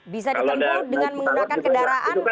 bisa ditemukan dengan menggunakan kedaraan